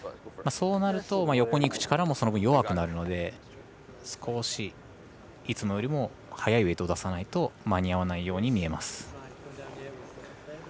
そうなると、横に行く力もその分弱くなるので、少しいつもよりも速いウエイトを出さないと間に合わないように見えます。